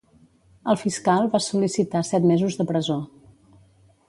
El fiscal va sol·licitar set mesos de presó.